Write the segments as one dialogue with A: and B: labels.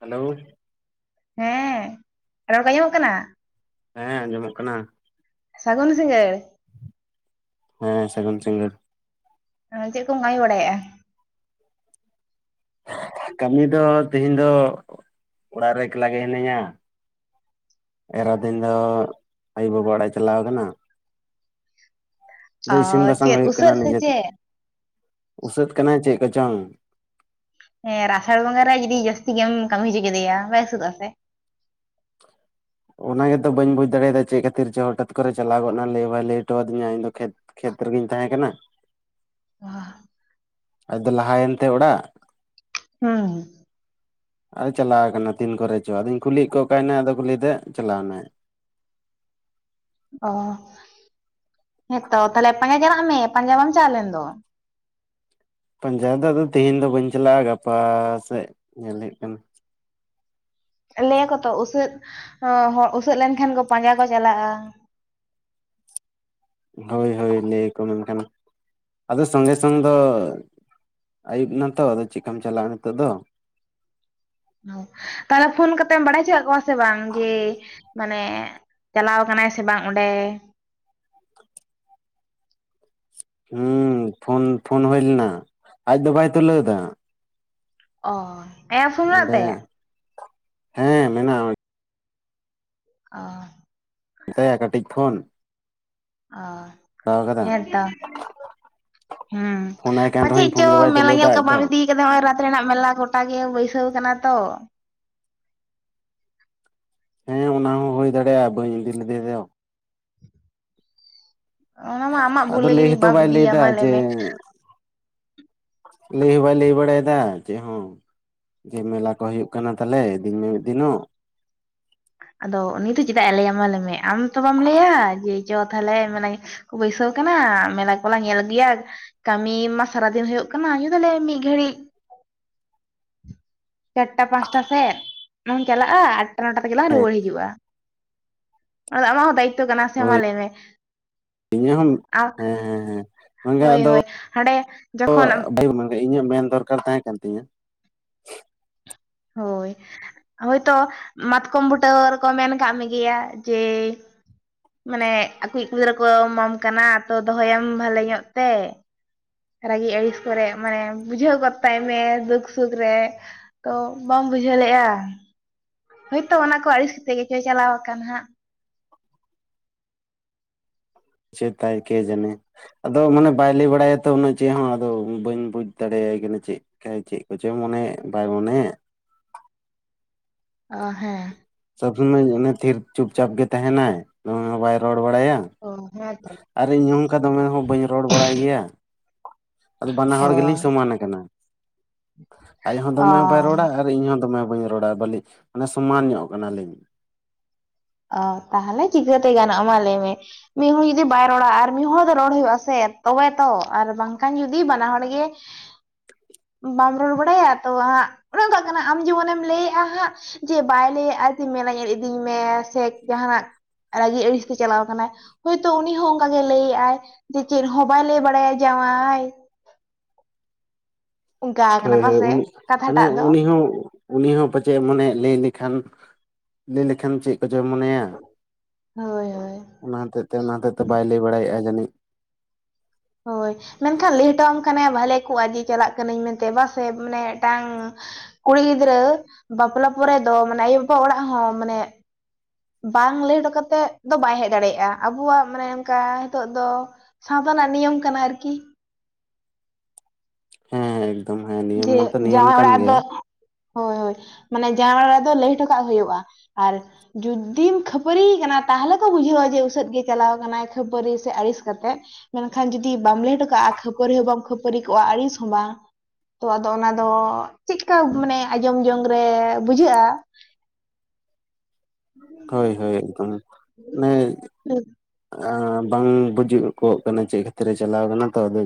A: Hello
B: ᱦᱮᱸ, ᱨᱚᱲ ᱠᱚ ᱟᱸᱡᱚᱢᱚᱜ ᱠᱟᱱᱟ
A: ᱦᱮᱸ ᱟᱸᱡᱚᱢᱚᱜ ᱠᱟᱱᱟ᱾
B: ᱥᱟᱜᱩᱱ ᱥᱤᱝᱜᱟᱹᱲ
A: ᱦᱮᱸ ᱥᱟᱜᱩᱱ ᱥᱤᱝᱜᱟᱹᱨ
B: ᱪᱮᱫ ᱠᱚᱢ ᱠᱟᱢᱤ ᱵᱟᱲᱟᱭ-ᱟ?
A: ᱠᱟᱹᱢᱤ ᱫᱚ ᱛᱮᱦᱮᱧ ᱫᱚ ᱚᱲᱟᱜ ᱨᱮ ᱮᱠᱞᱟ ᱜᱮ ᱦᱤᱱᱟᱹᱧ-ᱟ ᱮᱨᱟ ᱛᱤᱱ ᱫᱚ ᱟᱭᱩ ᱵᱟᱵᱟ ᱚᱲᱟᱜ ᱮ ᱪᱟᱞᱟᱣ ᱠᱟᱱᱟ ᱫᱚ
B: ᱚ
A: ᱤᱥᱤᱱ ᱵᱟᱥᱟᱝ
B: ᱪᱮᱫ
A: ᱦᱩᱭᱩᱜ ᱠᱟᱱᱟ
B: ᱩᱥᱟᱹᱫ ᱥᱮ
A: ᱱᱤᱡᱮ ᱛᱮ
B: ᱪᱮᱫ
A: ᱩᱥᱟᱹᱛ ᱠᱟᱱᱟᱭ ᱪᱮᱫ ᱠᱚᱪᱚᱝ,
B: ᱦᱮᱸ ᱨᱟᱥᱟᱲ ᱵᱚᱸᱜᱟ ᱨᱮ ᱡᱩᱫᱤ ᱡᱟᱹᱥᱛᱤ ᱜᱮᱢ ᱠᱟᱹᱢᱤ ᱦᱚᱪᱚ ᱠᱮᱫᱮᱭᱟ ᱵᱟᱭ ᱩᱥᱟᱹᱜᱚᱜ ᱟ ᱥᱮ
A: ᱚᱱᱟᱜᱮᱛᱚ ᱵᱟᱹᱧ ᱵᱩᱡᱽ ᱫᱟᱲᱮᱭᱟᱫᱟ ᱪᱮᱫ ᱠᱷᱟᱹᱛᱤᱨ ᱡ ᱦᱚᱴᱟᱛ ᱠᱚᱨᱮ ᱪᱟᱞᱟᱣ ᱜᱚᱫ ᱱᱟᱭ ᱞᱟᱹᱭ ᱵᱟᱭ ᱞᱟᱹᱭ ᱦᱚᱴᱚ ᱟᱫᱤᱧᱟ ᱤᱧᱫᱚ ᱠᱷᱮᱛ ᱠᱷᱮᱛ ᱨᱮᱜᱤᱧ ᱛᱟᱦᱮᱸ ᱠᱟᱱᱟ᱾
B: ᱚ
A: ᱟᱡ ᱫᱚ ᱞᱟᱦᱟᱭᱮᱱᱛᱮ ᱚᱲᱟᱜ
B: ᱦᱩᱸ
A: ᱟᱨ ᱪᱟᱞᱟᱣ ᱟᱠᱟᱱᱟ ᱛᱤᱱ ᱠᱚᱨᱮ ᱪᱚ ᱟᱫᱚᱧ ᱠᱩᱞᱤᱭᱮᱫ ᱠᱚ ᱚᱠᱟᱭᱮᱱᱟ ᱟᱫᱚ ᱠᱚ ᱞᱟᱹᱭ ᱫᱟᱪᱟᱞᱟᱣ ᱮᱱᱟᱭ
B: ᱚ, ᱦᱮᱸ ᱛᱚ ᱛᱟᱦᱚᱞᱮ ᱯᱟᱸᱡᱟ ᱪᱟᱞᱟᱜ ᱢᱮ ᱯᱟᱸᱡᱟ ᱵᱟᱢ ᱪᱟᱞᱟᱣ ᱞᱮᱱ ᱫᱚ
A: ᱯᱟᱸᱡᱟ ᱫᱚ ᱟᱫᱚ ᱛᱮᱦᱮᱧ ᱫᱚ ᱵᱟᱹᱧ ᱪᱟᱞᱟᱜᱼᱟ ᱜᱟᱯᱟ ᱥᱮᱫ ᱧᱮᱞ ᱦᱩᱭᱩᱜ ᱠᱟᱱᱟ,
B: ᱞᱟᱹᱭᱟᱠᱚ ᱛᱚ ᱩᱥᱟᱹᱫ ᱦᱚᱲ ᱩᱥᱟᱹᱫ ᱞᱮᱱᱠᱷᱟᱱ ᱠᱚ ᱯᱟᱸᱡᱟ ᱠᱚ ᱪᱟᱞᱟᱜᱼᱟ᱾
A: ᱦᱳᱭ ᱦᱳᱭ ᱞᱟᱹᱭ ᱟᱠᱚ ᱢᱮᱱᱠᱷᱟᱱ ᱟᱫᱚ ᱥᱚᱸᱜᱮ ᱥᱚᱝ ᱫᱚ ᱟᱹᱭᱩᱵ ᱮᱱᱟ ᱛᱚ ᱟᱫᱚ ᱪᱮᱠᱟᱢ ᱪᱟᱞᱟᱜᱼᱟ ᱱᱤᱛᱳᱜ ᱫᱚ
B: ᱛᱟᱦᱚᱞᱮ ᱯᱷᱳᱱ ᱠᱟᱛᱮᱢ ᱵᱟᱲᱟᱭ ᱦᱚᱪᱚᱠᱟᱜ ᱠᱚᱣᱟ ᱥᱮ ᱵᱟᱝ ᱡᱮ ᱢᱟᱱᱮ ᱪᱟᱞᱟᱣ ᱠᱟᱱᱟᱭ ᱥᱮ ᱵᱟᱝ ᱚᱸᱰᱮ
A: ᱦᱮᱸ ᱯᱷᱳᱱ ᱯᱷᱳᱱ ᱦᱩᱭ ᱞᱮᱱᱟ ᱟᱡ ᱫᱚ ᱵᱟᱭ ᱛᱩᱞᱟᱹᱣ ᱮᱫᱟ
B: ᱚ ᱟᱭᱟᱜ ᱯᱷᱳᱱ ᱢᱮᱱᱟᱜ
A: ᱚᱸᱰᱮ
B: ᱛᱟᱭᱟ
A: ᱦᱮᱸ ᱢᱮᱱᱟᱜᱼᱟ
B: ᱚ
A: ᱢᱮᱛᱟᱭᱟ ᱠᱟᱹᱴᱤᱡ ᱯᱷᱳᱱ
B: ᱚ
A: ᱦᱟᱛᱟᱣ ᱠᱟᱫᱟ
B: ᱦᱮᱸᱛᱚ ᱦᱩᱸ
A: ᱯᱷᱳᱱᱟᱭ ᱠᱟᱱ
B: ᱯᱟᱪᱮᱫ
A: ᱨᱮᱦᱚᱸᱧ ᱯᱷᱳᱱ
B: ᱪᱚ
A: ᱜᱮ ᱵᱟᱭ
B: ᱢᱮᱞᱟ
A: ᱛᱩᱞᱟᱹᱣ ᱮᱫᱟ
B: ᱧᱮᱞ ᱠᱚ
A: ᱟᱡ ᱫᱚ
B: ᱵᱟᱢ ᱤᱫᱤ ᱱᱚᱜ ᱚᱚᱭ ᱨᱟᱛ ᱨᱮᱱᱟᱜ ᱢᱮᱞᱟ ᱜᱚᱴᱟ ᱜᱮ ᱵᱟᱹᱭᱥᱟᱹᱣ ᱠᱟᱱᱟ ᱛᱚ
A: ᱦᱮᱸ ᱚᱱᱟ ᱦᱚᱸ ᱦᱩᱭ ᱫᱟᱲᱮᱭᱟᱜᱼᱟ ᱵᱟᱹᱧ ᱤᱫᱤ ᱞᱮᱫᱤ ᱫᱚ
B: ᱚᱱᱟ ᱢᱟ ᱟᱢᱟᱜ ᱵᱷᱩᱞ
A: ᱟᱫᱚ
B: ᱜᱤ
A: ᱞᱟᱹᱭ
B: ᱡᱩᱫᱤ
A: ᱦᱚᱸᱛᱚ
B: ᱵᱟᱢ
A: ᱵᱟᱭ ᱞᱟᱹᱭ
B: ᱤᱫᱤᱭᱤᱭᱟ
A: ᱮᱫᱟ
B: ᱢᱟ
A: ᱡᱮ
B: ᱞᱟᱹᱭᱢᱮ
A: ᱞᱟᱹᱭ ᱦᱚᱸ ᱵᱟᱭ ᱞᱟᱹᱭ ᱵᱟᱲᱟᱭᱮᱫᱟ ᱪᱮᱫ ᱦᱚᱸ ᱡᱮ ᱢᱮᱞᱟ ᱠᱚ ᱦᱳᱭᱳᱜ ᱠᱟᱱᱟ ᱛᱟᱦᱞᱮ ᱤᱫᱤᱧ ᱢᱮ ᱢᱤᱫ ᱫᱤᱱᱚᱜ,
B: ᱟᱫᱚ ᱩᱱᱤ ᱫᱚ ᱪᱮᱫᱟᱜ ᱮ ᱞᱟᱹᱭᱟ ᱢᱟ ᱞᱟᱹᱭ ᱢᱮ ᱟᱢ ᱛᱚ ᱵᱟᱢ ᱞᱟᱹᱭᱟ ᱡᱮ ᱪᱚ ᱛᱟᱦᱚᱞᱮ ᱢᱮᱞᱟ ᱧᱮ ᱵᱟᱹᱭᱥᱟᱹᱣ ᱠᱟᱱᱟ ᱢᱮᱞᱟ ᱠᱚᱞᱟᱝ ᱧᱮᱞ ᱟᱜᱩᱭᱟ ᱠᱟᱹᱢᱤ ᱢᱟ ᱥᱟᱨᱟᱫᱤᱱ ᱦᱩᱭᱩᱜ ᱠᱟᱱᱟ [unintelligible] ᱫᱟᱞᱮ ᱢᱤᱫ ᱜᱷᱟᱹᱲᱤᱡ ᱪᱟᱨᱴᱟ ᱯᱟᱸᱪᱴᱟ ᱥᱮᱫ ᱞᱟᱝ ᱪᱟᱞᱟᱜᱼᱟ ᱟᱴᱴᱟ ᱱᱚᱴᱟ ᱛᱮᱜᱮ ᱞᱟᱝ
A: ᱦᱮᱸ
B: ᱨᱩᱣᱟᱹᱲ ᱦᱤᱡᱩᱜᱼᱟ᱾ ᱟᱢᱟᱜ ᱦᱚᱸ ᱫᱟᱭᱤᱛᱚ ᱠᱟᱱᱟ ᱥᱮ ᱢᱟ
A: ᱦᱳᱭ
B: ᱞᱟᱹᱭ ᱢᱮ
A: ᱤᱧᱟᱹᱜ ᱦᱚᱸ
B: ᱟᱢ
A: ᱦᱮᱸ ᱦᱮᱸ ᱦᱮᱸ ᱢᱟᱱᱮ
B: ᱦᱳᱭ
A: ᱟᱫᱚ
B: ᱦᱳᱭ ᱦᱟᱸᱰᱮ ᱡᱚᱠᱷᱚᱱ
A: [unintelligible] ᱤᱧᱟᱹᱜ ᱢᱮᱱ ᱫᱚᱨᱠᱟᱨ ᱛᱟᱦᱮᱸ ᱠᱟᱱ ᱛᱤᱧᱟᱹ
B: ᱦᱳᱭ ᱦᱳᱭᱛᱚ ᱢᱟᱛᱠᱚᱢ ᱵᱩᱴᱟᱹ ᱨᱮᱠᱚ ᱢᱮᱱ ᱠᱟᱜ ᱢᱮᱜᱮᱭᱟ ᱡᱮ ᱢᱟᱱᱮ ᱟᱠᱣᱤᱡ ᱜᱤᱫᱽᱨᱟᱹ ᱠᱚ ᱮᱢᱟᱢ ᱠᱟᱱᱟ ᱛᱚ ᱫᱚᱦᱚᱭᱮᱢ ᱵᱷᱟᱞᱮ ᱧᱚᱜ ᱛᱮ ᱨᱟᱹᱜᱤ ᱟᱹᱲᱤᱥ ᱠᱚᱨᱮ ᱢᱟᱱᱮ ᱵᱩᱡᱷᱟᱹᱣ ᱜᱚᱫ ᱛᱟᱭᱢᱮ ᱫᱩᱠ ᱥᱩᱠ ᱨᱮ ᱛᱚ ᱵᱟᱢ ᱵᱩᱡᱷᱟᱹᱣ ᱞᱮᱼᱟ ᱦᱳᱭᱛᱳ ᱚᱱᱟ ᱠᱚ ᱟᱹᱲᱤᱥ ᱠᱟᱛᱮ ᱜᱮᱪᱚᱭ ᱪᱟᱞᱟᱣ ᱟᱠᱟᱱᱟ ᱦᱟᱸᱜ
A: ᱪᱮᱫ ᱛᱟᱭ ᱠᱮ ᱡᱚᱱᱮ ᱟᱫᱚ ᱢᱟᱱᱮ ᱵᱟᱭ ᱞᱟᱹᱭ ᱵᱟᱲᱟᱭᱟᱛᱚ ᱩᱱᱟᱹᱜ ᱪᱮᱫ ᱦᱚᱸ ᱟᱫᱚ ᱵᱟᱹᱧ ᱵᱩᱡ ᱫᱟᱲᱮᱭᱟᱭ ᱠᱟᱱᱟ ᱪᱮᱫ ᱪᱮᱫ ᱠᱚᱪᱚᱭ ᱢᱚᱱᱮ ᱵᱟᱭ ᱢᱚᱱᱮ ᱮ
B: ᱚ ᱦᱮᱸ
A: ᱥᱚᱵᱽ ᱥᱩᱢᱚᱭ ᱚᱱᱮ ᱛᱷᱤᱨ ᱪᱩᱯᱪᱟᱯ ᱜᱮ ᱛᱟᱦᱮᱱᱟᱭ [unintelligible] ᱵᱟᱭ ᱨᱚᱲ ᱵᱟᱲᱟᱭᱟ
B: ᱚ ᱦᱮᱸ ᱛᱚ
A: ᱟᱨ ᱤᱧᱦᱚᱸ ᱱᱚᱝᱠᱟ ᱫᱚᱢᱮ ᱦᱚᱸ ᱵᱟᱹᱧ ᱨᱚᱲ ᱵᱟᱲᱟᱭ ᱜᱮᱭᱟ, ᱟᱫᱚ ᱵᱟᱱᱟ
B: ᱚ
A: ᱦᱚᱲ ᱜᱮᱞᱤᱧ ᱥᱚᱢᱟᱱ ᱟᱠᱟᱱᱟ ᱟᱡ ᱦᱚᱸ
B: ᱚ
A: ᱫᱚᱢᱮ ᱵᱟᱭ ᱨᱚᱲᱟ ᱟᱨ ᱤᱧᱦᱚᱸ ᱫᱚᱢᱮ ᱵᱟᱹᱧ ᱨᱚᱲᱟ ᱵᱟᱹᱞᱤ ᱢᱟᱱᱮ ᱥᱚᱢᱟᱱ ᱧᱚᱜ ᱠᱟᱱᱟᱞᱤᱧ᱾
B: ᱚ ᱛᱟᱦᱚᱞᱮ ᱪᱤᱠᱟᱹᱛᱮ ᱜᱟᱱᱚᱜ ᱢᱟ ᱞᱟᱹᱭᱢᱮ ᱢᱤᱫ ᱦᱚᱲ ᱡᱩᱫᱤ ᱵᱟᱭ ᱨᱚᱲᱟ ᱟᱨ ᱢᱤᱫ ᱦᱚᱲ ᱫᱚ ᱨᱚᱲ ᱦᱩᱭᱩᱜ ᱟᱥᱮ ᱛᱚᱵᱮ ᱛᱚ ᱟᱨ ᱵᱟᱝᱠᱷᱟᱱ ᱡᱩᱫᱤ ᱵᱟᱱᱟ ᱦᱚᱲ ᱜᱮ ᱵᱟᱢ ᱨᱚᱲ ᱵᱟᱲᱟᱭᱟ ᱛᱚ ᱦᱟᱜ ᱚᱱᱮᱚᱱᱠᱟᱜ ᱠᱟᱱᱟ ᱟᱢ ᱡᱮᱢᱚᱱᱮᱢ ᱞᱟᱹᱭᱮᱜᱼᱟ ᱦᱟᱸᱜ ᱡᱮ ᱵᱟᱭ ᱞᱟᱹᱭᱮᱫᱼᱟ ᱢᱮᱞᱟ ᱧᱮᱞ ᱤᱫᱤᱧ ᱢᱮ ᱥᱮ ᱡᱟᱦᱱᱟᱜ ᱨᱟᱹᱜᱤ ᱟᱹᱲᱤᱥ ᱛᱮ ᱪᱟᱞᱟᱣ ᱠᱟᱱᱟ ᱦᱚᱳᱭᱛᱳ ᱩᱱᱤ ᱦᱚᱸ ᱚᱱᱠᱟᱜᱮ ᱞᱟᱹᱭᱮᱫᱼ ᱟᱭ ᱡᱮ ᱪᱮᱫ ᱦᱚᱸ ᱵᱟᱭ ᱞᱟᱹᱭ ᱵᱟᱲᱟᱭᱟ ᱡᱟᱶᱟᱭ ᱚᱱᱠᱟ ᱠᱟᱱᱟ
A: ᱦᱳᱭ ᱦᱳᱭ
B: ᱵᱟᱥᱮ
A: ᱩᱱᱤ
B: ᱠᱟᱛᱷᱟ
A: ᱢᱟᱱᱮ
B: ᱴᱟᱜ ᱫᱚ
A: ᱩᱱᱤ ᱦᱚᱸ ᱩᱱᱤ ᱦᱚᱸ ᱯᱟᱪᱮᱫ ᱢᱚᱱᱮ ᱞᱟᱹᱭ ᱞᱮᱠᱷᱟᱱ ᱞᱟᱹᱭ ᱞᱮᱠᱷᱟᱱ ᱪᱮᱫ ᱠᱪᱚ ᱢᱚᱱᱮᱭᱟ
B: ᱦᱳᱭ ᱦᱳᱭ
A: ᱚᱱᱟ ᱦᱚᱛᱮᱡ ᱛᱮ ᱚᱱᱟ ᱦᱚᱛᱮᱡ ᱛᱮ ᱵᱟᱭ ᱞᱟᱹᱭ ᱵᱟᱲᱟᱭᱮᱫᱼᱟ ᱡᱟᱹᱱᱤᱡ
B: ᱦᱳᱭ ᱢᱮᱱᱠᱷᱟᱱ ᱞᱮ ᱦᱚᱴᱚᱣᱟᱢ ᱠᱷᱟᱱᱟᱮ ᱵᱷᱟᱞᱮ ᱠᱚᱜᱟ ᱡᱮ ᱪᱟᱞᱟᱜ ᱠᱟᱱᱤᱧ ᱢᱮᱱᱛᱮ ᱵᱟᱥᱮ ᱢᱟᱱᱮ ᱢᱤᱫᱴᱟᱝ ᱠᱩᱲᱤ ᱜᱤᱫᱽᱨᱟᱹ ᱵᱟᱯᱞᱟ ᱯᱚᱨᱮ ᱫᱚ ᱢᱟᱱᱮ ᱟᱭᱳᱼᱵᱟᱵᱟ ᱚᱲᱟᱜ ᱦᱚᱸ ᱢᱟᱱᱮ ᱵᱟᱝ ᱞᱟᱹᱭ ᱦᱚᱴᱚ ᱠᱟᱛᱮᱫ ᱫᱚ ᱵᱟᱭ ᱦᱮᱡ ᱫᱟᱲᱮᱭᱟᱜᱼᱟ ᱟᱵᱚᱣᱟᱜ ᱢᱟᱱᱮ ᱚᱱᱠᱟ ᱱᱤᱛᱚᱜ ᱫᱚ ᱥᱟᱶᱛᱟ ᱨᱮᱭᱟᱜ ᱱᱤᱭᱚᱢ ᱠᱟᱱᱟ ᱟᱨᱠᱤ
A: ᱦᱮᱸ ᱮᱠᱫᱚᱢ ᱦᱮᱸ
B: ᱡᱮ
A: ᱱᱤᱭᱚᱢ ᱢᱟᱛᱚ ᱱᱤᱭᱚᱢ
B: ᱡᱟᱶᱟᱭ
A: ᱠᱟᱱ
B: ᱚᱲᱟᱜ ᱫᱚ
A: ᱜᱮᱭᱟ
B: ᱦᱳᱭ ᱦᱳᱭ ᱢᱟᱱᱮ ᱡᱟᱶᱟᱭ ᱚᱲᱟᱜ ᱨᱮᱫᱚ ᱞᱟᱹᱭ ᱦᱚᱴᱚ ᱠᱟᱜ ᱦᱩᱭᱩᱜᱼᱟ ᱟᱨ ᱡᱩᱫᱤᱢ ᱠᱷᱟᱹᱯᱟᱹᱨᱤᱭ ᱠᱟᱱᱟ ᱛᱟᱦᱞᱮ ᱡᱩᱫᱤᱢ ᱠᱷᱟᱹᱯᱟᱹᱨᱤᱭ ᱠᱟᱱᱟ ᱛᱟᱦᱚᱞᱮ ᱠᱚ ᱵᱩᱡᱷᱟᱹᱣᱟ ᱡᱮ ᱩᱥᱟᱹᱫ ᱜᱮ ᱪᱟᱞᱟᱣ ᱟᱠᱟᱱᱟᱭ ᱠᱷᱟᱹᱯᱟᱹᱨᱤ ᱥᱮ ᱟᱹᱲᱤᱥ ᱠᱟᱛᱮᱜ ᱢᱮᱱᱠᱷᱟᱱ ᱡᱩᱫᱤ ᱵᱟᱢ ᱞᱮ ᱦᱚᱴᱚ ᱠᱟᱜᱼᱟ ᱠᱷᱟᱹᱯᱟᱹᱨᱤ ᱦᱚᱸ ᱵᱟᱢ ᱠᱷᱟᱹᱯᱟᱹᱨᱤ ᱠᱚᱜᱼᱟ ᱟᱹᱲᱤᱥ ᱦᱚᱸ ᱵᱟᱝ ᱛᱚ ᱟᱫᱚ ᱚᱱᱟ ᱫᱚ ᱪᱮᱫᱠᱟ ᱢᱟᱱᱮ ᱟᱸᱡᱚᱢ ᱡᱚᱝ ᱨᱮ ᱵᱩᱡᱷᱟᱹᱜᱼᱟ [unintelligible]
A: ᱦᱳᱭ ᱦᱳᱭ ᱮᱠᱫᱚᱢ ᱢᱟᱱᱮ ᱵᱟᱝ ᱵᱩᱡᱩᱜ ᱠᱚᱜ ᱠᱟᱱᱟ ᱪᱮᱫ ᱠᱷᱟᱹᱛᱤᱨ ᱨᱮ ᱪᱟᱞᱟᱣ ᱠᱟᱱᱟ ᱛᱚ ᱟᱫᱚ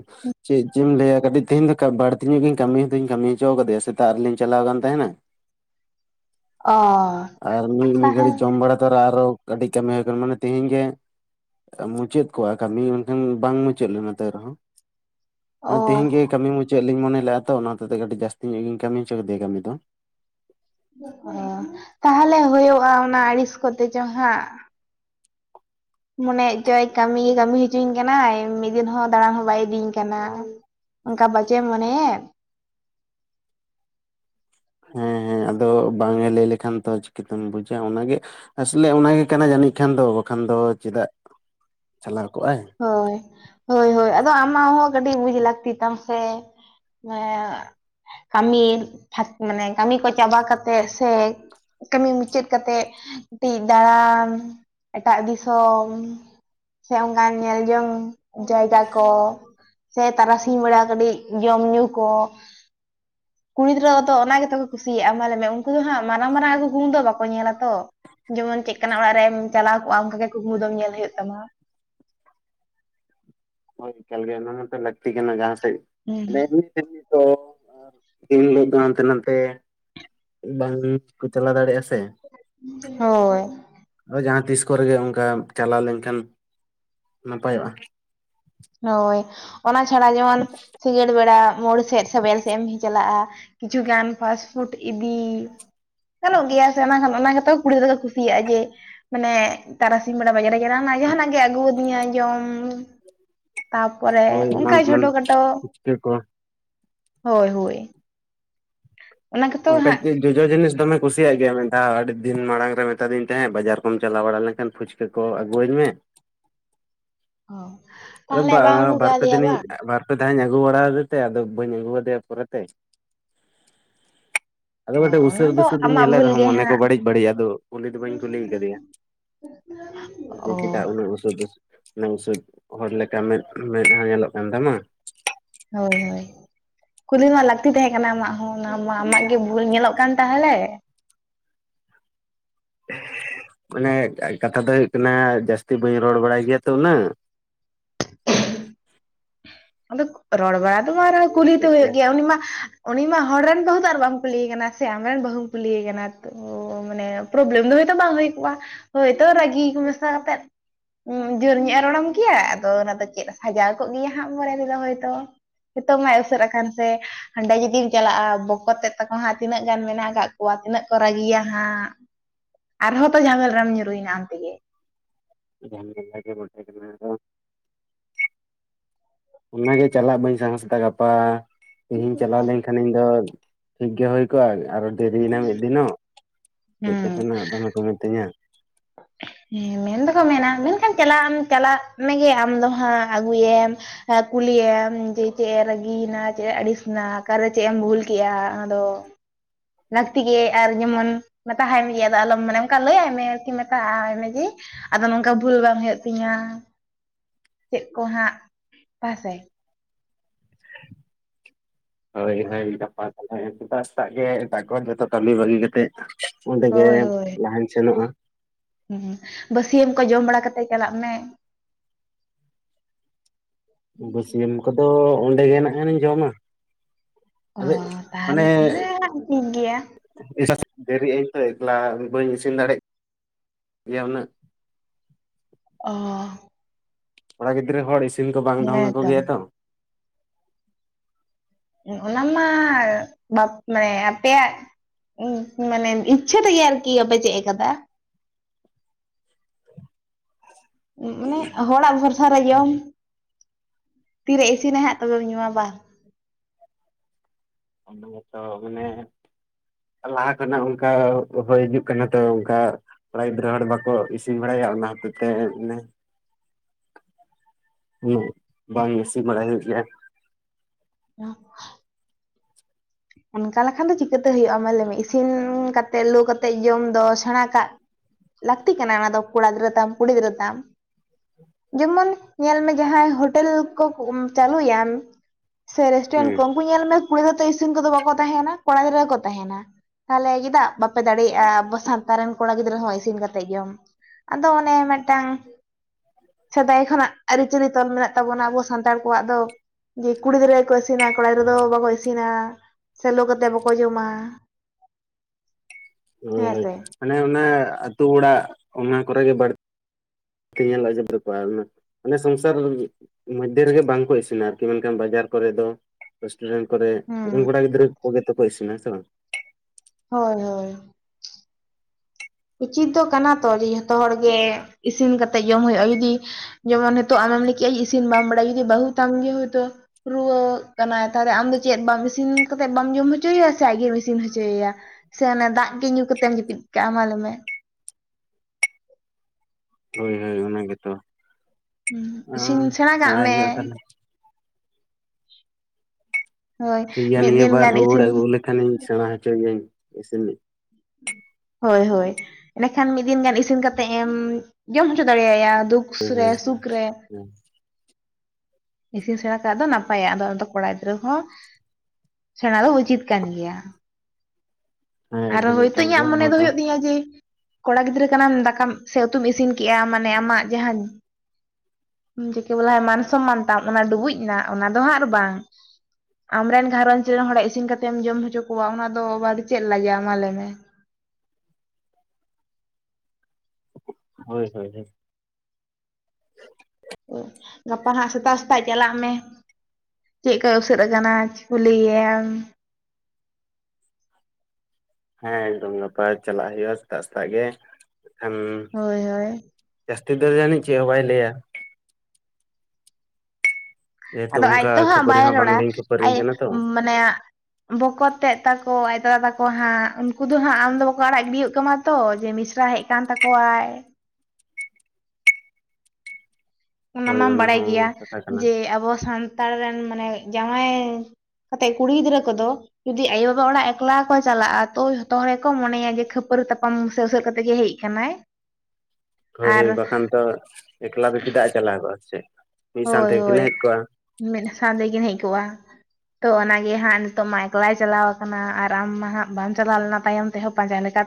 A: ᱪᱮᱫ ᱮᱢ ᱞᱟᱹᱭᱟ ᱠᱟᱹᱴᱤᱡ ᱛᱮᱦᱧ ᱫᱚ ᱪᱮᱫ ᱡᱮᱢ ᱞᱟᱹᱭᱼᱟ ᱠᱟᱴᱤᱡ ᱛᱮᱦᱮᱱ ᱫᱚ ᱵᱟᱹᱲᱛᱤ ᱧᱚᱜ ᱜᱮᱧ ᱠᱟᱹᱢᱤ ᱦᱚᱛᱚ ᱜᱤᱧ ᱠᱟᱹᱢᱤ ᱦᱚᱪᱚᱣ ᱟᱠᱟᱫᱮᱭᱟ ᱥᱮᱛᱟᱜ ᱨᱮᱞᱤᱧ ᱪᱟᱞᱟᱣ ᱟᱠᱟᱱ ᱛᱟᱦᱮᱱᱟ
B: ᱚᱼ
A: ᱟᱨ ᱢᱤᱫ ᱢᱤᱫ ᱜᱷᱟᱹᱲᱤᱡ ᱡᱚᱢ ᱵᱟᱲᱟ ᱛ ᱟᱨᱚ ᱠᱟᱹᱴᱤᱡ ᱠᱟᱹᱢᱤ ᱦᱩᱭ ᱟᱠᱟᱱᱟ ᱢᱟᱱᱮ ᱛᱮᱦᱤᱧ ᱜᱮ ᱢᱩᱪᱟᱹᱫ ᱠᱚᱜᱣᱟ ᱠᱟᱹᱢᱤ ᱢᱮᱱᱠᱷᱟᱱ ᱵᱟᱝ ᱢᱩᱪᱟᱹᱫ ᱞᱮᱱᱟ ᱛᱟᱹᱣ ᱨᱮᱦᱚᱸ ᱢᱟᱱᱮ
B: ᱚ
A: ᱛᱮᱦᱤᱧ ᱜᱮ ᱠᱟᱹᱢᱤ ᱢᱩᱪᱟᱫ ᱞᱤᱧ ᱛᱮᱦᱤᱧ ᱜᱮ ᱠᱟᱹᱢᱤ ᱢᱩᱪᱟᱹᱫ ᱞᱤᱧ ᱢᱚᱱᱮ ᱞᱮᱫᱼᱟ ᱛᱚ ᱚᱱᱟ ᱦᱚᱛ ᱛᱮ ᱠᱟᱹᱴᱤᱡ ᱡᱟᱹᱥᱛᱤ ᱧᱚᱜ ᱜᱤᱧ ᱠᱟᱹᱢᱤ ᱦᱚᱪᱚ ᱠᱮᱫᱮᱭᱟ ᱠᱟᱹᱢᱤ ᱫᱚ
B: ᱚ ᱛᱟᱦᱚᱞᱮ ᱦᱩᱭᱩᱜᱼᱟ ᱚᱱᱟ ᱟᱹᱲᱤᱥ ᱠᱚᱛᱮ ᱡᱚᱦᱟᱸᱟᱸ ᱢᱚᱱᱮ ᱪᱚᱭ ᱠᱟᱹᱢᱤ ᱜᱮ ᱠᱟᱹᱢᱤ ᱦᱚᱪᱚᱧ ᱠᱟᱱᱟᱭ ᱢᱤᱫ ᱫᱤᱱ ᱦᱚᱸ ᱫᱟᱬᱟᱱ ᱦᱚᱸ ᱵᱟᱭ ᱤᱫᱤᱧ ᱠᱟᱱᱟ ᱚᱝᱠᱟ ᱵᱟᱪᱚᱭ ᱢᱟᱱᱮ ᱮᱜ
A: ᱦᱮᱸ ᱦᱮᱸ ᱟᱫᱚ ᱵᱟᱝ ᱮ ᱞᱟᱹᱭ ᱞᱮᱠᱷᱟᱱ ᱛᱚ ᱪᱤᱠᱟᱹᱛᱮᱢ ᱵᱩᱡᱟ ᱚᱱᱟᱜᱮ ᱟᱥᱚᱞᱮ ᱚᱱᱟᱜᱮ ᱠᱟᱱᱟ ᱡᱟᱹᱱᱤᱡ ᱠᱷᱟᱱ ᱫᱚ ᱵᱟᱠᱷᱟᱱ ᱫᱚ ᱪᱮᱫᱟᱜ ᱪᱟᱞᱟᱣ ᱠᱚᱜᱼᱟ
B: ᱦᱳᱭ ᱦᱳᱭ ᱦᱳᱭ ᱟᱫᱚ ᱟᱢᱟᱜ ᱦᱚᱸ ᱠᱟᱹᱴᱤᱡ ᱵᱩᱡᱽ ᱞᱟᱹᱠᱛᱤ ᱛᱟᱢ ᱥᱮ ᱠᱟᱹᱢᱤ ᱢᱟᱱᱮ ᱠᱟᱹᱢᱤ ᱠᱚ ᱪᱟᱵᱟ ᱠᱟᱛᱮᱜ ᱥᱮ ᱠᱟᱹᱢᱤ ᱢᱩᱪᱟᱹᱫ ᱠᱟᱛᱮᱫ ᱠᱟᱴᱤᱡ ᱫᱟᱬᱟᱱ ᱮᱴᱟᱜ ᱫᱤᱥᱚᱢ ᱥᱮ ᱚᱱᱠᱟᱱ ᱧᱮᱞ ᱡᱚᱝ ᱡᱟᱭᱜᱟ ᱠᱚ ᱥᱮ ᱛᱟᱨᱟᱥᱤᱧ ᱵᱮᱲᱟ ᱠᱟᱹᱴᱤᱡ ᱡᱚᱢᱧᱩ ᱠᱚ ᱠᱩᱲᱤ ᱜᱤᱫᱽᱨᱟᱹ ᱢᱟᱛᱚ ᱚᱱᱟ ᱜᱮᱛᱚ ᱠᱚ ᱠᱩᱥᱤᱭᱟᱜᱼᱟ ᱢᱟ ᱞᱮᱭ ᱢᱮ ᱩᱱᱠᱩ ᱫᱚ ᱦᱟᱸᱜ ᱢᱟᱨᱟᱝ ᱢᱟᱨᱟᱝ ᱟᱹᱜᱩ ᱠᱩᱠᱢᱩ ᱫᱚ ᱵᱟᱠᱚ ᱧᱮᱞᱟ ᱛᱚ ᱡᱮᱢᱚᱱ ᱪᱤᱫ ᱠᱟᱱ ᱟᱜ ᱚᱲᱟᱜ ᱨᱮᱢ ᱪᱟᱞᱟᱣ ᱠᱚᱜᱼᱟ ᱚᱱᱠᱟ ᱜᱮ ᱠᱩᱠᱢᱩ ᱫᱚᱢ ᱧᱮᱞ ᱦᱩᱭᱩᱜ ᱛᱟᱢᱟ
A: ᱦᱳᱭ ᱮᱠᱟᱞ ᱜᱮ ᱚᱱᱟ ᱢᱟ ᱛᱚ ᱞᱟᱠᱛᱤ ᱠᱟᱱᱟ ᱡᱟᱦᱟᱸ [inaudible] ᱛᱤᱱ ᱦᱤᱞᱳᱜ ᱫᱚ ᱦᱟᱱᱛᱮ ᱱᱟᱱᱛᱮ ᱵᱟᱝ ᱠᱚ ᱪᱟᱞᱟ ᱫᱟᱲᱮᱭᱟᱜᱼᱟ ᱥᱮ
B: ᱦᱳᱭ
A: ᱳᱭ ᱡᱟᱦᱟᱸ ᱛᱤᱥ ᱠᱚᱨᱮ ᱜᱮ ᱚᱱᱠᱟ ᱪᱟᱞᱟᱣ ᱞᱮᱱᱠᱷᱟᱱ ᱱᱟᱯᱟᱭᱚᱜᱼᱟ
B: ᱦᱳᱭ ᱚᱱᱟ ᱪᱷᱟᱲᱟ ᱡᱮᱢᱚᱱ ᱥᱤᱸᱜᱟᱹᱲ ᱵᱮᱲᱟ ᱢᱳᱲ ᱥᱮᱫ ᱥᱮ ᱵᱮᱞ [inaudible] ᱮᱢ ᱪᱟᱞᱟᱜᱼᱟ ᱠᱤᱪᱷᱩᱜᱟᱱ ᱯᱷᱟᱥᱴᱯᱷᱩᱰ ᱤᱫᱤ ᱜᱟᱱᱚᱜ ᱜᱮᱭᱟ ᱥᱮ ᱚᱱᱟ [inaudible] ᱜᱮᱛᱚ ᱠᱩᱲᱤᱫᱨᱟᱹ ᱠᱚ ᱠᱩᱥᱤᱭᱟᱜᱼᱟ ᱡᱮ ᱢᱟᱱᱮ ᱛᱟᱨᱟᱥᱤᱧ ᱵᱮᱲᱟ ᱵᱟᱡᱟᱨ- [inaudible] ᱪᱟᱞᱟᱣ ᱱᱟᱭ ᱡᱟᱦᱟᱱᱟᱜ ᱜᱮ ᱟᱹᱜᱩ ᱟᱹᱫᱤᱧᱟ ᱡᱚᱢ ᱛᱟᱯᱚᱨᱮ
A: ᱦᱳᱭ ᱮᱢᱟᱱ
B: ᱚᱱᱠᱟ
A: ᱛᱮᱢᱟᱱ
B: ᱪᱷᱳᱴᱚ ᱠᱷᱟᱴᱚ
A: ᱯᱩᱪᱠᱟᱹ ᱠᱚ
B: ᱦᱳᱭ ᱦᱳᱭ ᱚᱱᱟ ᱜᱮᱛᱚ ᱦᱟᱸᱜ
A: [unintelligible] ᱡᱚᱡᱚ ᱡᱤᱱᱤᱥ ᱫᱚᱢᱮ ᱠᱩᱥᱤᱭᱟᱜ ᱜᱮᱭᱟ ᱢᱤᱫᱷᱟᱣ ᱟᱹᱰᱤ ᱫᱤᱱ ᱢᱟᱲᱟᱝ ᱨᱮ ᱢᱮᱛᱟᱫᱤᱧ ᱛᱟᱦᱮᱸᱫ ᱵᱟᱡᱟᱨ ᱠᱚᱢ ᱪᱟᱣ ᱵᱟᱲᱟ ᱞᱮᱱᱠᱷᱟᱱ ᱯᱷᱩᱪ ᱠᱚ ᱟᱹᱜᱩᱣᱟᱧ ᱢᱮ
B: [inaudible]
A: [inaudible]
B: ᱵᱟᱢ ᱟᱹᱜᱩ
A: ᱵᱟᱨ ᱯᱮ
B: ᱠᱟᱣᱫᱮᱭᱟ
A: ᱫᱤᱱ ᱤᱧ
B: ᱵᱟᱝ?
A: [inaudible] ᱯᱮ ᱫᱷᱟᱣ ᱤᱧ ᱟᱹᱜᱩ ᱵᱟᱲᱟ ᱟᱫᱮ ᱛᱮ ᱟᱫᱚ ᱵᱟᱹᱧ ᱟᱹᱜᱩᱣᱟᱫᱮ ᱯᱚᱨᱮᱛᱮ ᱟᱫᱚ
B: ᱚ
A: ᱢᱤᱫᱴᱮᱡ
B: ᱚᱱᱟ ᱫᱚ
A: ᱩᱥᱟᱹᱫᱼᱩᱥᱟᱹᱫ ᱤᱧ
B: ᱟᱢᱟᱜ
A: ᱧᱮᱞᱮ
B: ᱵᱷᱩᱞ
A: ᱨᱮᱦᱚᱸ
B: ᱜᱮ
A: ᱢᱚᱱᱮ ᱠᱚ
B: ᱦᱟᱸᱜ
A: ᱵᱟᱹᱲᱤᱡ ᱵᱟᱹᱲᱤᱡ ᱟᱫᱚ ᱠᱩᱞᱤ ᱫᱚ ᱵᱟᱹᱧ ᱠᱩᱞᱤ ᱠᱟᱫᱮᱭᱟ ᱡᱮ
B: ᱚ
A: ᱪᱮᱫᱟᱜ ᱩᱱᱟᱹᱜ ᱩᱥᱟ. ᱫᱚ ᱩᱱᱟᱜ ᱩᱥᱟᱹᱫ ᱦᱚᱨ ᱞᱮᱠᱟ ᱢᱮᱫ ᱢᱮᱫᱦᱟ ᱧᱮᱞᱚᱜ ᱠᱟᱱ ᱛᱟᱢᱟ
B: ᱦᱳᱭ ᱦᱳᱭ ᱠᱩᱞᱤ ᱨᱮᱱᱟᱜ ᱞᱟᱹᱠᱛᱤ ᱛᱟᱦᱮᱸ ᱠᱟᱱᱟ ᱟᱢᱟᱜ ᱦᱚᱸ ᱚᱱᱟ ᱢᱟ ᱟᱢᱟᱜ ᱜᱮ ᱵᱷᱩᱞ ᱧᱮᱞᱚᱜ ᱠᱟᱱ ᱛᱟᱦᱚᱞᱮ
A: ᱢᱟᱱᱮ ᱠᱟᱛᱷᱟ ᱫᱚ ᱦᱩᱭᱩᱜ ᱠᱟᱱᱟ ᱡᱟᱹᱥᱛᱤ ᱵᱟᱹᱧ ᱨᱚᱲ ᱵᱟᱲᱟᱭ ᱜᱮᱭᱟ ᱛᱚ ᱩᱱᱟᱹᱜ
B: ᱟᱫᱚᱜ ᱨᱚᱲ ᱵᱟᱲᱟ ᱫᱚ ᱵᱟᱝ ᱨᱮᱦᱚᱸ
A: ᱚᱱᱟ
B: ᱠᱩᱞᱤ ᱛᱚ
A: ᱦᱚᱛᱮᱡ ᱛᱮ
B: ᱦᱩᱭᱩᱜ ᱜᱮᱭᱟ ᱩᱱᱤ ᱢᱟ ᱩᱱᱤ ᱢᱟ ᱦᱚᱲ ᱨᱮᱱ ᱵᱟᱹᱦᱩ ᱫᱚ ᱟᱨ ᱵᱟᱢ ᱠᱩᱞᱤᱭᱮ ᱠᱟᱱᱟ ᱥᱮ ᱟᱢ ᱨᱮᱱ ᱵᱟᱹᱦᱩᱢ ᱠᱩᱞᱤᱭᱮ ᱠᱟᱱᱟ ᱛᱚ ᱚ ᱚ ᱢᱟᱱᱮ ᱯᱨᱚᱵᱞᱮᱢ ᱫᱚ ᱦᱳᱭᱛᱳ ᱵᱟᱝ ᱦᱩᱭ ᱠᱚᱜᱼᱟ ᱦᱳᱭᱛᱚ ᱨᱟᱹᱜᱤ ᱠᱚ ᱢᱮᱥᱟ ᱟᱛᱮᱫ [inaudible] ᱡᱳᱨ ᱧᱚᱜ ᱮ ᱨᱚᱲ ᱟᱢ ᱠᱮᱭᱟ ᱟᱫᱚ ᱚᱱᱟ ᱫᱚ ᱪᱮᱫ ᱥᱟᱡᱟᱣ ᱠᱚᱜ ᱜᱮᱭᱟ ᱦᱟᱸᱜ ᱯᱚᱨᱮ ᱛᱮᱫᱚ ᱦᱚᱭᱛᱚ ᱱᱤᱛᱚᱜ ᱢᱟᱭ ᱮᱥᱮᱫ ᱟᱠᱟᱱ ᱛᱮ ᱦᱟᱸᱰᱮ ᱡᱩᱫᱤᱢ ᱪᱟᱞᱟᱜᱼᱟ ᱵᱚᱠᱚᱛ ᱛᱮᱫ ᱛᱟᱠᱚ ᱦᱟᱸᱜ ᱛᱤᱱᱟᱹᱜ ᱜᱟᱱ ᱢᱮᱱᱟᱜ ᱟᱠᱟᱜ ᱠᱚᱣᱟ ᱛᱤᱱᱟᱹᱜ ᱠᱚ ᱨᱟᱹᱜᱤᱭᱟ ᱦᱟᱸᱜ ᱟᱨᱦᱚᱸ ᱛᱚ ᱡᱷᱟᱢᱮᱞ ᱨᱮᱢ ᱧᱩᱨᱩᱭ ᱱᱟ ᱟᱢ ᱛᱮᱜᱮ
A: [inaudible] ᱚᱱᱟ ᱜᱮ ᱪᱟᱞᱟᱜ ᱵᱟᱹᱧ ᱥᱟᱸᱦᱚᱥ ᱫᱟ ᱜᱟᱯᱟ ᱛᱮᱦᱤᱧ ᱪᱟᱞᱟᱣ ᱞᱮᱱᱠᱷᱟ- ᱠᱷᱟᱱ ᱤᱧ ᱫᱚ ᱴᱷᱤᱠ ᱜᱮ ᱦᱩᱭ ᱠᱚᱜᱼᱟ ᱟᱨᱚ ᱫᱮᱨᱤᱭᱮᱱᱟ ᱢᱤᱫ ᱫᱤᱱ-ᱚᱜ ᱪᱮᱫ ᱠᱚᱪᱚ
B: ᱦᱮᱸ
A: ᱱᱟᱜ ᱫᱚᱢᱮ ᱠᱚ ᱢᱤᱛᱟᱹᱧ-ᱟ
B: ᱦᱮᱸ ᱢᱮᱱ ᱫᱚᱠᱚ ᱢᱮᱱᱟ ᱢᱮᱱᱠᱷᱟᱱ ᱪᱟᱞᱟᱜ [inaudible] ᱪᱟᱞᱟᱜ ᱢᱮᱜᱮ ᱟᱢ ᱫᱚ ᱦᱟᱸᱜ ᱟᱹᱜᱩᱭᱮᱢ ᱦᱮᱸ ᱠᱩᱞᱤᱭᱮᱢ ᱡᱮ ᱪᱮᱫ ᱮ ᱨᱟᱹᱜᱤᱱᱟ ᱪᱮᱫ ᱮ ᱟᱹᱲᱤᱥ ᱱᱟ ᱚᱠᱟᱨᱮ ᱪᱮᱫ ᱮᱢ ᱵᱷᱩᱞ ᱠᱮᱜᱼᱟ ᱟᱫᱚ ᱞᱟᱹᱠᱛᱤ ᱜᱮ ᱟᱨ ᱡᱮᱢᱚᱱ ᱢᱮᱛᱟ ᱦᱟᱭ ᱢᱮ ᱜᱤ ᱟᱫᱚ ᱟᱞᱚᱢ ᱢᱟᱱᱮ ᱚᱱᱠᱟ ᱞᱟᱹᱭ ᱟᱭ ᱢᱮ ᱟᱨᱠᱤ ᱢᱮᱛᱟ ᱟᱭ ᱢᱮ ᱡᱮ ᱟᱫᱚ ᱱᱚᱝᱠᱟ ᱵᱷᱩᱞ ᱵᱟᱝ ᱦᱩᱭᱩᱜ ᱛᱤᱧᱟᱹ ᱪᱮᱫ ᱠᱚ ᱦᱟᱸᱜ ᱦᱟᱥᱮ
A: ᱦᱳᱭ ᱦᱳᱭ ᱜᱟᱯᱟ ᱛᱟᱞᱦᱮ ᱥᱮᱛᱟᱜ ᱥᱮᱛᱟᱜ ᱜᱮ ᱫᱟᱜ ᱠᱚ ᱡᱚᱛᱚ ᱠᱟᱢᱤ ᱵᱟᱹᱜᱤ ᱠᱟᱛᱮᱫ ᱚᱸᱰᱮ ᱜᱮ ᱞᱟᱦᱟᱧ ᱥᱮᱱᱚᱜᱼᱟ
B: ᱦᱩᱸᱦᱩᱸᱵᱟᱹᱥᱭᱟᱹᱢ ᱠᱚ ᱡᱚᱢ ᱵᱟᱲᱟ ᱠᱟᱛᱮ ᱪᱟᱞᱟᱜ ᱢᱮ
A: ᱵᱟᱹᱥᱭᱟᱹᱢ ᱠᱚᱫᱚ ᱚᱸᱰᱮ ᱜᱮ ᱱᱟᱠᱷᱟᱱ ᱤᱧ ᱡᱚᱢᱟ
B: ᱚ
A: ᱟᱫᱚ ᱢᱟᱱᱮ
B: ᱛᱟᱦᱚᱞᱮ [inaudible] ᱦᱟᱸᱜ ᱴᱷᱤᱠ ᱜᱮᱭᱟ
A: [inaudible] ᱫᱮᱨᱤᱜ ᱟᱹᱧ ᱛᱚ ᱮᱠᱞᱟ ᱵᱟᱹᱧ ᱤᱥᱤᱱ ᱫᱟᱲᱮᱜ ᱜᱮᱭᱟ ᱩᱱᱟᱹᱜ
B: ᱚ
A: ᱠᱚᱲᱟ ᱜᱤᱫᱽᱨᱟᱹ ᱦᱚᱲ ᱤᱥᱤᱱ ᱠᱚ ᱵᱟᱝ ᱰᱷᱚᱝ ᱟᱠᱚ
B: ᱦᱮᱸᱛᱚ
A: ᱜᱮᱭᱟ ᱛᱚ
B: ᱚᱱᱟ ᱢᱟ ᱵᱟᱯ ᱢᱟᱱᱮ ᱟᱯᱮᱭᱟᱜ [inaudible] ᱢᱟᱱᱮ ᱤᱪᱪᱷᱟᱹ ᱛᱮᱜᱮ ᱟᱨᱠᱤ ᱵᱟᱯᱮ ᱪᱮᱜ ᱠᱟᱫᱟ ᱢᱟᱱᱮ ᱦᱚᱲᱟᱜ ᱵᱷᱚᱨᱥᱟ ᱨᱮ ᱡᱚᱢ ᱛᱤᱨᱮ ᱤᱥᱤᱱ ᱟᱭ ᱦᱟᱸᱜ ᱛᱚᱵᱮᱢ ᱡᱚᱢᱟ ᱵᱟᱝ
A: ᱚᱰᱮ ᱢᱚᱛᱚᱵᱮ [inaudible] ᱞᱟᱦᱟ ᱠᱷᱚᱱᱟᱜ ᱚᱱᱠᱟ ᱦᱳᱭ ᱦᱤᱡᱩᱜ ᱠᱟᱱᱟ ᱛᱚ ᱚᱱᱠᱟ ᱠᱚᱲᱟ ᱜᱤᱫᱽᱨᱟᱹ ᱦᱚᱲ ᱵᱟᱠᱚ ᱤᱥᱤᱱ ᱵᱟᱲᱟᱭᱟ ᱚᱱᱟ ᱦᱚᱛᱮᱜ ᱛᱮ ᱢᱱᱮ ᱩᱱᱜ ᱵᱟᱝ ᱵᱮᱥᱤ ᱵᱟᱲᱟᱭ ᱦᱩᱭᱩᱜ ᱜᱮ
B: ᱦ [unintelligible] ᱚᱱᱠᱟ ᱞᱮᱠᱷᱟᱱ ᱫᱚ ᱪᱤᱠᱟᱹᱛᱮ ᱦᱩᱭᱩᱜᱼᱟ ᱢ ᱞᱟᱹᱭᱢᱮ ᱤᱥᱤᱱ ᱠᱟᱛᱮᱮᱫ ᱞᱩ ᱠᱟᱛᱮᱮᱫ ᱡᱚᱢ ᱫᱚ ᱥᱮᱬᱟ ᱠᱟᱜ ᱞᱟᱠᱛᱤ ᱠᱟᱱᱟᱫᱚ ᱠᱩᱲᱟ ᱜᱤᱫᱽᱨᱟᱹ ᱛᱟᱢ ᱠᱩᱲᱤ ᱜᱤᱫᱨᱟᱹ ᱛᱟᱢ ᱡᱮᱢᱚᱱ ᱧᱮᱞ ᱢᱮ ᱡᱟᱦᱟᱸᱭ ᱦᱳᱴᱮᱞ ᱠᱚ ᱠᱚᱢ ᱟᱹᱞᱩᱭᱢ ᱥᱮ ᱨᱮᱥᱴᱩᱨᱮᱱᱴ
A: ᱦᱩᱸ
B: ᱠᱚ ᱩᱱᱠᱩ ᱧᱮᱞ ᱢᱮᱮ ᱠᱩᱲᱤ ᱜᱤᱫᱨᱟᱹ ᱫᱚ ᱤᱱ ᱠᱚᱫᱚ ᱵᱟᱠᱚ ᱛᱟᱦᱮᱱᱟ ᱠᱚᱲᱟ ᱜᱤᱫᱽᱨᱟᱹ ᱜᱮᱠᱚ ᱛᱟᱦᱮᱱᱟ ᱛᱟᱦᱚᱞᱮ ᱪᱮᱫᱟᱜ ᱵᱟᱯᱮ ᱫᱟᱲᱮᱭᱟᱜᱼᱟ ᱟᱵᱚ ᱥᱟᱱᱛᱟᱲ ᱨᱮᱱ ᱠᱚᱲᱟ ᱜᱤᱫᱽᱨᱟᱹ ᱦᱚᱸ ᱤᱥᱤᱱ ᱠᱟᱛᱮᱮᱫ ᱡᱚᱢ ᱟᱫᱚ ᱚᱱᱮ ᱢᱤᱫᱴᱟᱝ ᱥᱮᱫᱟᱭ ᱠᱷᱚᱱᱟᱜ ᱟᱹᱨᱤᱟᱹ ᱠᱪᱨᱤᱤ ᱛᱚᱞ ᱢᱮᱱᱟᱜ ᱛᱟᱵᱚᱱᱟ ᱟᱵᱚ ᱥᱟᱱᱛᱟᱲ ᱠᱚᱣᱟᱜ ᱫᱚ ᱡᱮ ᱠᱩᱲᱤᱤᱫᱽᱨᱟᱹ ᱜᱮᱠᱚ ᱤᱥᱤᱱᱟ ᱠᱚᱲᱟ ᱜᱤᱫᱽᱨᱟᱹ ᱫᱚ ᱵᱟᱠᱚ ᱤᱥᱤᱱᱟ ᱥᱮ ᱞᱳ ᱠᱟᱛᱮᱫ ᱵᱟᱠᱚ ᱡᱚᱢᱟ
A: ᱦᱳᱭ
B: ᱦᱮᱸ
A: ᱦᱳᱭ
B: ᱥᱮ
A: ᱢᱟᱱᱮ ᱚᱱᱟ ᱟᱹᱛᱩ ᱚᱲᱟᱜ ᱚᱱᱟ ᱠᱚᱨᱮ ᱜᱮ ᱵᱟᱹᱲ- [inaudible] ᱵᱮᱯᱟᱨ ᱚᱱᱮ ᱥᱚᱝᱥᱟᱨ ᱢᱚᱫᱽᱫᱷᱮ ᱨᱮᱜᱮ ᱵᱟᱝᱠᱚ ᱤᱥᱤᱱᱟ ᱟᱨᱠᱤ ᱢᱮᱱᱠᱷᱟᱱ ᱵᱟᱡᱟᱨ ᱠᱚᱨᱮ ᱫᱚ ᱥᱴᱩᱨᱴ ᱠᱚᱨᱮ ᱱᱠᱷᱱ
B: ᱦᱩᱸ
A: ᱠᱚᱲᱟ ᱜᱤᱫᱽᱨᱟᱹ ᱠᱚᱜᱮ ᱛᱚ ᱠᱚ ᱥᱤᱱᱟ ᱥᱮ ᱵᱟᱝ
B: ᱦᱳᱭ ᱦᱳᱭ ᱩᱪᱤᱛ ᱫᱚ ᱠᱟᱱᱟ ᱛᱚ ᱡᱮ ᱡᱷᱚᱛᱚ ᱦᱚᱲ ᱜᱮ ᱤᱥᱤᱱ ᱠᱟᱛᱮ ᱡᱚᱢ ᱦᱩᱭᱩᱜᱼᱟ ᱡᱩᱫᱤ ᱡᱮᱢᱚᱱ ᱱᱤᱛᱚᱜ ᱟᱢᱮᱢ ᱞᱟᱹᱭ ᱠᱮᱫᱮᱜ ᱤᱥᱤᱱ ᱵᱟᱢ ᱵᱟᱲᱟᱭ ᱡᱩᱫᱤ ᱵᱟᱹᱦᱩ ᱛᱟᱢ ᱜᱮ ᱦᱳᱭᱛᱳ ᱨᱩᱣᱟᱹᱜ ᱠᱟᱱᱟᱭ ᱛᱟᱦᱚᱞᱮ ᱟᱢ ᱫᱚ ᱪᱮᱫ ᱵᱟ ᱤᱥᱤᱱ ᱠᱟ ᱠᱟᱛᱮᱮᱫ ᱵᱟᱢ ᱡᱚᱢ ᱦᱚᱪᱚᱭᱮᱭᱟ ᱥᱮ ᱟᱡ ᱜᱮᱢ ᱤᱥᱤᱱ ᱦᱚᱪᱚᱭᱮᱭᱟ ᱥᱮ ᱚᱱᱮ ᱫᱟᱜ ᱜᱮ ᱧᱩ ᱠᱟᱛᱮᱢ ᱡᱟᱹᱯᱤᱫ ᱠᱟᱜᱼᱟ ᱮᱢᱟᱞᱮ ᱢᱮ
A: ᱦᱳᱭ ᱦᱳᱭ ᱚᱱᱟᱜᱮᱛᱚ
B: ᱦᱩᱸ ᱤᱥᱤᱱ ᱥᱮᱬᱟ ᱠᱟᱜ
A: ᱥᱮᱬᱟᱭ
B: ᱢᱮ
A: ᱦᱩᱭᱩᱜᱼᱟ ᱛᱟᱦᱚᱞᱮ
B: ᱦᱳᱭ ᱢᱤᱫ ᱫᱤᱱ ᱜᱟᱱ ᱤᱥᱤᱱ
A: ᱠᱷᱟᱱᱤᱧ ᱥᱮᱬᱟ ᱦᱚᱪᱚᱭᱭᱟᱹᱧ ᱤᱥᱤᱱ
B: ᱦᱳᱭ ᱦᱳᱭ ᱮᱱᱟᱰᱮᱠᱷᱟᱱ ᱢᱤᱫ ᱫᱤᱱ ᱜᱟᱱ ᱤᱥᱤᱱ ᱠᱟᱛᱮᱮᱫ ᱮᱢ ᱡᱚᱢ ᱦᱚᱪᱚ ᱫᱟᱲᱮᱭᱟᱭᱟ ᱫᱩᱠ ᱩᱥ ᱨᱮᱮ ᱥᱩᱠ ᱨᱮ
A: ᱦᱮᱸ
B: ᱤᱥᱤᱱ ᱥᱮᱬᱟ ᱠᱫ ᱫᱚ ᱱᱟᱯᱟᱭᱟ ᱟᱫᱚ ᱫᱚ ᱠᱚᱲᱟ ᱜᱤᱫᱽᱨᱟᱹ ᱦᱚᱸ ᱥᱮᱬᱟ ᱫᱚ ᱩᱪᱤᱛ ᱠᱟᱱ ᱜᱮᱭᱟ ᱟᱨᱚ
A: ᱮᱠᱫᱚᱢ
B: ᱦᱳᱭᱛᱳ
A: ᱮᱠᱟᱞ
B: ᱤᱧᱟᱹᱜ
A: ᱜᱮ
B: ᱢᱚᱱᱮ
A: ᱱᱚᱣᱟ
B: ᱫᱚ ᱦᱩᱭᱩᱜ ᱛᱤᱧᱟᱹ ᱡᱮ ᱠᱚᱲᱟ ᱜᱤᱫᱽᱨᱟᱹ ᱠᱟᱱᱟᱢ ᱫᱟᱠᱟᱢ ᱥᱮ ᱩᱛᱩᱢ ᱤᱥᱤᱱ ᱠᱮᱫᱮᱜᱼᱟ ᱢᱟᱱᱮ ᱟᱢᱟᱜ ᱡᱟᱦᱟᱸ ᱡᱮᱠᱮ ᱵᱚᱞᱮ ᱢᱟᱱ ᱥᱚᱱᱢᱟᱱ ᱛᱟᱢ ᱚᱱᱟ ᱰᱩᱵᱩᱡ ᱮᱱᱟ ᱚᱱᱟ ᱫᱚ ᱦᱟᱸᱜ ᱟᱨ ᱵᱟᱝ ᱟᱢᱨᱮᱱ ᱜᱷᱟᱨᱚᱸᱧᱡᱽ ᱨᱮᱱ ᱦᱚᱲ ᱤᱥᱤᱱ ᱠᱟᱛᱮᱮᱫᱢ ᱡᱚᱢ ᱦᱚᱪᱚ ᱠᱚᱣᱟ ᱚᱱᱟ ᱫᱚ [unintelligible] ᱟᱵᱟᱨ ᱫᱚ ᱪᱮᱫ ᱞᱟᱡᱟᱣ ᱢᱟ ᱞᱟᱭ ᱢᱮ
A: ᱦᱳᱭ ᱦᱳᱭ ᱦᱳᱭ
B: ᱜᱟᱯᱟ ᱦᱟᱸᱜ ᱥᱮᱛᱟᱜ ᱥᱮᱛᱟᱜ ᱪᱟᱞᱟᱜ ᱢᱮ ᱪᱮᱫᱠᱟᱭ ᱩᱥᱟᱹᱫ ᱟᱠᱟᱱᱟ ᱠᱩᱞᱤᱭᱮᱟᱢ
A: ᱦᱮᱸ ᱮᱠᱫᱚᱢ ᱱᱟᱯᱟᱭ ᱪᱟᱞᱟᱜ ᱦᱩᱭᱩᱜᱼᱟ ᱥᱮᱛᱟᱜ ᱥᱮᱛᱟᱜ ᱜᱮ ᱮᱠᱷᱟᱱ
B: ᱦᱳᱭ ᱦᱳᱭ
A: ᱡᱟᱹᱥᱛᱤ ᱫᱚ ᱡᱟᱹᱱᱤᱡ ᱪᱮᱫ ᱦᱚᱸ ᱵᱟᱭ ᱞᱟᱹᱭᱟ ᱡᱮᱦᱮᱛᱩ
B: ᱟᱫᱚ
A: ᱚᱱᱠᱟ
B: ᱟᱡᱛᱚ ᱦᱟᱸᱜ
A: ᱠᱷᱟᱹᱯᱟᱹᱨᱤ
B: ᱵᱟᱭ
A: ᱦᱚᱸ
B: ᱨᱚᱲᱟ
A: ᱵᱟᱝᱞᱤᱧ ᱠᱷᱟᱹᱯᱟᱹᱨᱤ
B: ᱟᱡ
A: ᱠᱟᱱᱟ ᱛᱚ
B: ᱢᱟᱱᱮ ᱵᱚᱠᱚᱛᱮᱫ ᱛᱟᱠᱚ ᱟᱭ ᱛᱟᱨ ᱛᱟᱠᱚ ᱦᱟᱸᱜ ᱩᱱᱠᱩ ᱫᱚ ᱦᱟᱸᱜ ᱟᱢ ᱫᱚ ᱵᱟᱠᱚ ᱟᱲᱟᱜ ᱜᱤᱰᱤᱭᱜᱟᱢ ᱛᱚ ᱡᱮ ᱢᱤᱥᱨᱟ ᱦᱮᱡ ᱟᱠᱟᱱᱟ ᱠᱟᱱ ᱛᱟᱠᱚᱣᱟᱭ ᱚᱱᱟ
A: ᱦᱳᱭ
B: ᱢᱟᱢ ᱵᱟᱲᱟᱭ
A: ᱦᱚᱸ
B: ᱜᱮᱭᱟ
A: ᱠᱟᱛᱷᱟ ᱠᱟᱱᱟ
B: ᱡᱮ ᱟᱵᱚ ᱥᱟᱱᱛᱟᱲ ᱨᱮᱱ ᱢᱟᱱᱮ ᱡᱟᱶᱟᱭ ᱢᱚᱛᱮ ᱠᱩᱲᱤ ᱜᱤᱫᱽᱨᱟᱹᱠᱚᱫᱚ ᱡᱩᱫᱤ ᱟᱭᱳᱵᱟᱵᱟ ᱚᱲᱟᱜ ᱮᱠᱞᱟ ᱠᱚ ᱪᱟᱞᱟᱜᱼᱟ ᱛᱚ ᱡᱷᱚᱛᱚ ᱦᱚᱲ ᱜᱮᱠᱚ ᱢᱚᱱᱮᱭᱟ ᱡᱮ ᱠᱷᱟᱹᱯᱟᱹᱨᱤ ᱛᱟᱯᱟᱢ ᱥᱮ ᱩᱥᱟᱹᱜ ᱠᱟᱛᱮ ᱜᱮ ᱦᱮᱡ ᱠᱟᱱᱟᱭ
A: ᱦᱳᱭ ᱦᱳᱭ ᱵᱟᱠᱷᱟᱱ ᱛᱚ ᱮᱠᱞᱟ ᱛᱮ ᱪᱮᱫᱟᱜ ᱮ ᱪᱟᱞᱟᱣ ᱠᱚᱜᱼᱟ ᱥᱮ ᱪᱮᱫ ᱢᱤᱫ ᱥᱟᱶᱛᱮ
B: ᱦᱳᱭ
A: ᱠᱤᱱ
B: ᱦᱳᱭ
A: ᱦᱮᱡ ᱠᱚᱜᱼᱟ
B: ᱢᱤᱫ ᱥᱟᱣᱛᱮ ᱠᱤᱱ ᱦᱮᱡ ᱠᱚᱜᱼᱟ ᱛᱚ ᱚᱱᱟᱜᱮ ᱦᱟᱸᱜ ᱱᱤᱛᱚᱜ ᱢᱟ ᱮᱠᱞᱟᱭ ᱪᱟᱞᱟᱣ ᱟᱠᱟᱱᱟ ᱟᱨ ᱟᱢ ᱢᱟ ᱦᱟᱸᱜ ᱵᱟᱢ ᱪᱟᱞᱟᱣ ᱞᱮᱱᱟ ᱛᱟᱭᱚᱢ ᱛᱮᱦᱚᱸ ᱯᱟᱸᱡᱟ ᱞᱮᱠᱟ